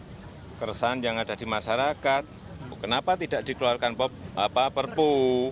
ini keresan yang ada di masyarakat kenapa tidak dikeluarkan bapak perpu